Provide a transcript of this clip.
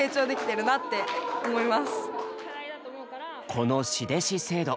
この「師弟子制度」。